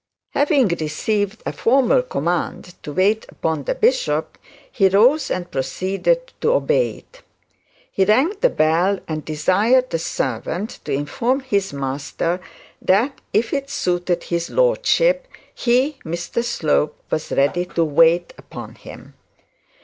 Having received a formal command to wait upon the bishop, he rose and proceeded to obey it. He rang the bell and desired the servant to inform his master that if it suited his lordship, he, Mr Slope, was ready to wait upon him.